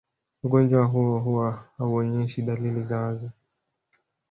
Ugonjwa huo huwa hauonyeshi dalili za wazi